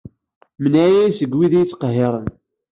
Mneɛ-iyi seg wid i iyi-ittqehhiren.